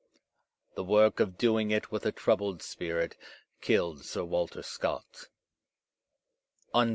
The work of doing it with a troubled spirit killed Sir Walter Scott."